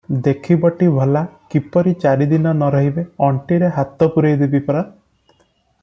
ଦେଖିବଟି ଭଲା, କିପରି ଚାରିଦିନ ନ ରହିବେ, ଅଣ୍ଟିରେ ହାତ ପୁରାଇଦେବିପରା ।